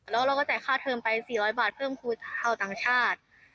แล้วเราก็จ่ายค่าเทิมไป๔๐๐บาทเพิ่มครูชาวต่างชาติ